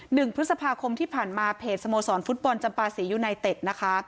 หนึ่งพฤษภาคมที่ผ่านมาเพจสโมสรฟุตบอลจำปาศรียูไนเต็ดนะคะ